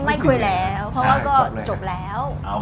ไม่คุยแล้วเพราะว่าก็จบแล้ว